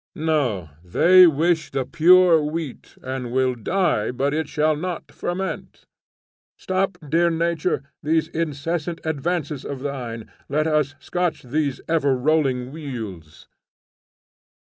No; they wish the pure wheat, and will die but it shall not ferment. Stop, dear nature, these incessant advances of thine; let us scotch these ever rolling wheels!